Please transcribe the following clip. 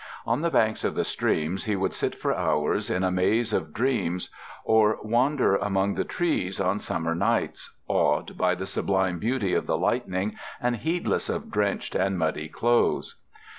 On the banks of the stream he would sit for hours in a maze of dreams, or wander among the trees on summer nights, awed by the sublime beauty of the lightning, and heedless of drenched and muddy clothes.